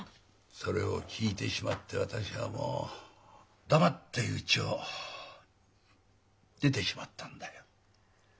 それを聞いてしまって私はもう黙ってうちを出てしまったんだよ。